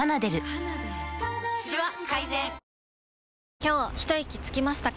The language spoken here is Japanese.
今日ひといきつきましたか？